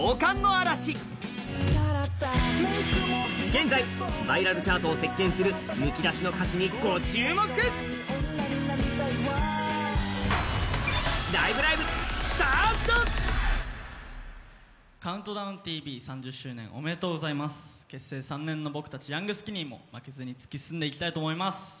現在バイラルチャートを席巻するむき出しの歌詞にご注目「ＣＤＴＶ」３０周年おめでとうございます結成３年の僕たちヤングスキニーも負けずに突き進んでいきたいと思います